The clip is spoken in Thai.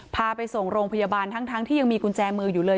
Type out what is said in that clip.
พาไปส่งโรงพยาบาลทั้งที่ยังมีกุญแจมืออยู่เลย